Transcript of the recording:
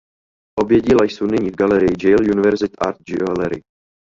Obě díla jsou nyní v galerii Yale University Art Gallery.